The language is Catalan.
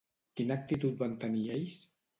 Quina actitud van tenir ells?